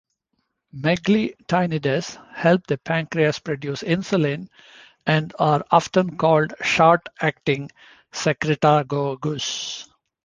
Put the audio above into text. Meglitinides help the pancreas produce insulin and are often called short-acting secretagogues.